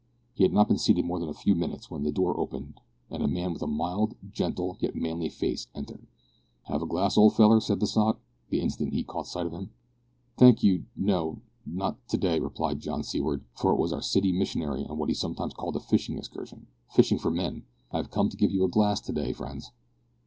He had not been seated more than a few minutes when the door opened, and a man with a mild, gentle, yet manly face entered. "Have a glass, ol' feller?" said the sot, the instant he caught sight of him. "Thank you, no not to day," replied John Seaward, for it was our city missionary on what he sometimes called a fishing excursion fishing for men! "I have come to give you a glass to day, friends."